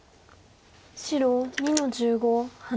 白２の十五ハネ。